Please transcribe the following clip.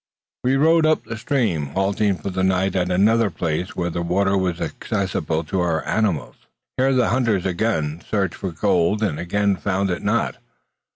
We rode up the stream, halting for the night at another place where the water was accessible to our animals. Here the hunters again searched for gold, and again found it not.